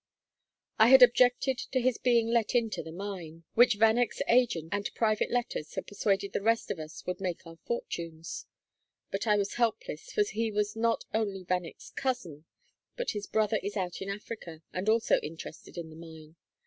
"I had objected to his being let into the mine, which Vanneck's agent and private letters had persuaded the rest of us would make our fortunes; but I was helpless, for he was not only Vanneck's cousin, but his brother is out in Africa and also interested in the mine.